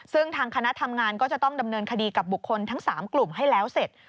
ซึ่งทางคณะทำงานก็จะต้องดำเนินคดีกับบุคคลทั้ง๓กลุ่มให้แล้วเสร็จ